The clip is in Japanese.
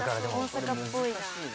大阪っぽいな。